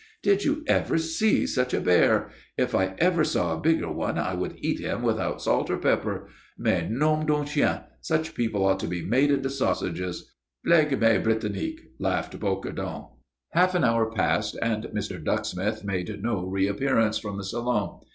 "Did you ever see such a bear! If I ever saw a bigger one I would eat him without salt or pepper. Mais nom d'un chien, such people ought to be made into sausages!" "Flègme britannique!" laughed Bocardon. Half an hour passed, and Mr. Ducksmith made no reappearance from the salon.